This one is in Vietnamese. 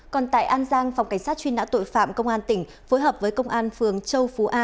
còn tại an giang phòng cảnh sát truy nã tội phạm công an tỉnh phối hợp với công an phường châu phú a